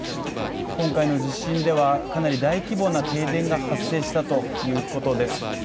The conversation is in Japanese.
今回の地震ではかなり大規模な停電が発生したということです。